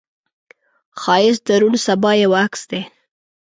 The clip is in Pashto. ښایست د روڼ سبا یو عکس دی